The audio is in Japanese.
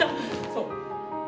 そう。